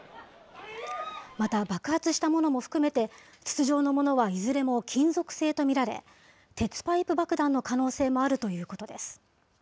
また、爆発したものも含めて、筒状のものはいずれも金属製と見られ、鉄パイプ爆弾の可能性もあるということです。